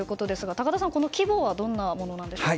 高田さん、この規模はどんなものなのでしょうか。